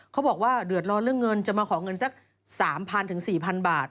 เขาบอกว่าเดือดร้อนเรื่องเงินจะมาขอเงินสัก๓๐๐๔๐๐บาท